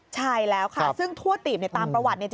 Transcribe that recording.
ใช่แล้วค่ะซึ่งทั่วตีบตามประวัติ